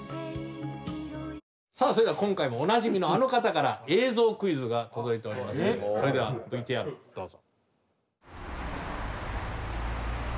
それでは今回もおなじみのあの方から映像クイズが届いておりますのでそれではＶＴＲどうぞ！